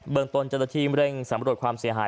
เบื้องตนเจราทีมเร่งสำรวจความเสียหาย